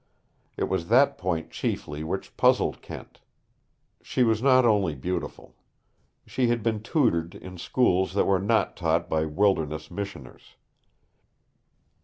It was that point chiefly which puzzled Kent. She was not only beautiful. She had been tutored in schools that were not taught by wilderness missioners.